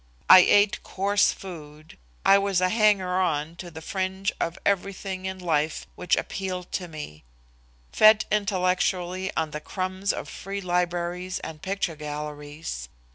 I ate coarse food, I was a hanger on to the fringe of everything in life which appealed to me, fed intellectually on the crumbs of free libraries and picture galleries.